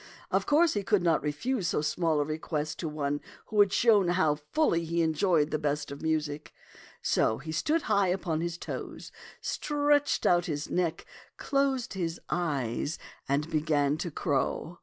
Of course he could not refuse so small a request to one who had shown how fully he enjoyed the best of music. So he stood high upon his toes. ^§e (rtun'5 ^v'mt'0 tixk 97 stretched out his neck, closed his eyes, and began to crow.